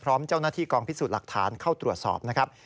พร้อมเจ้าหน้าที่กองพิสูจน์หลักฐานเข้าตรวจสอบนะครับ